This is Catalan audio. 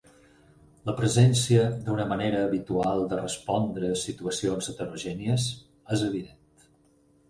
La presència d'una manera habitual de respondre a situacions heterogènies és evident.